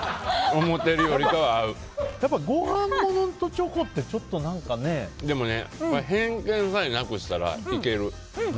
やっぱりご飯ものとチョコってでもね、偏見さえなくしたらいける。